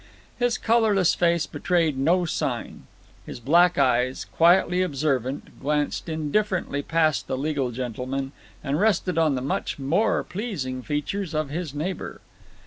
His colorless face betrayed no sign; his black eyes, quietly observant, glanced indifferently past the legal gentleman, and rested on the much more pleasing features of his neighbor.